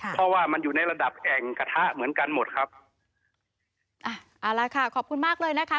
เพราะว่ามันอยู่ในระดับแอ่งกระทะเหมือนกันหมดครับอ่ะเอาละค่ะขอบคุณมากเลยนะคะ